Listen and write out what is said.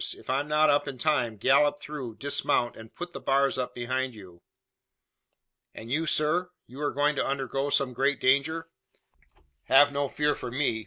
If I'm not up in time, gallop through, dismount, and put the bars up behind you." "And you, sir? You are going to undergo some great danger?" "Have no fear for me!